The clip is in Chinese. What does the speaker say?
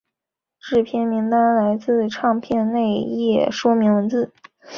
制作名单来自唱片内页说明文字。